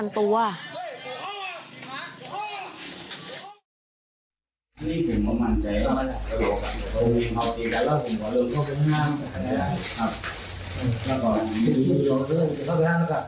ตายหนึ่ง